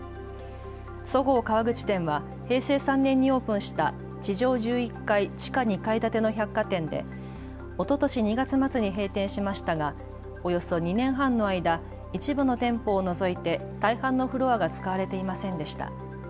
そごう川口店は平成３年にオープンした地上１１階地下２階建ての百貨店でおととし２月末に閉店しましたがおよそ２年半の間、一部の店舗を除いて大半のフロアが使われていませんでした。